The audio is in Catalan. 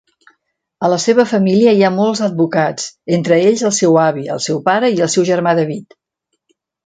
A la seva família hi ha molts advocats, entre ells el seu avi, el seu pare i el seu germà David.